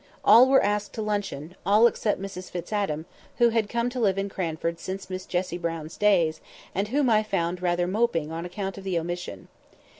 All were asked to the luncheon; all except Mrs Fitz Adam, who had come to live in Cranford since Miss Jessie Brown's days, and whom I found rather moping on account of the omission.